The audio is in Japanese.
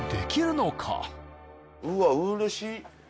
うわっうれしい。